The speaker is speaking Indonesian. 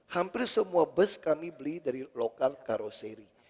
hampir semua bus kami beli dari lokal karoseri